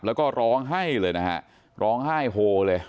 แล้วก็ร้องไห้เลยนะฮะร้องไห้โฮเลย